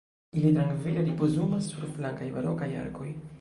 Ili trankvile ripozumas sur flankaj barokaj arkoj.